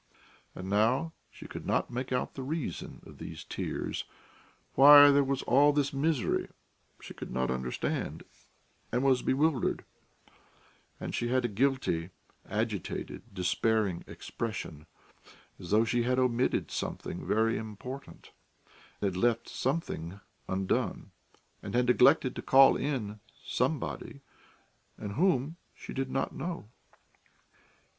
And now she could not make out the reason of these tears, why there was all this misery, she could not understand, and was bewildered; and she had a guilty, agitated, despairing expression, as though she had omitted something very important, had left something undone, had neglected to call in somebody and whom, she did not know.